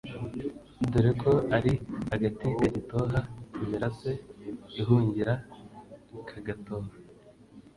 Dore ko ari agati kagitoha Imirase ihungira kagatoha